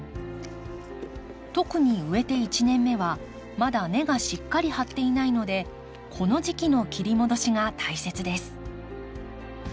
特に植えて１年目はまだ根がしっかり張っていないのでこの時期の切り戻しが大切です。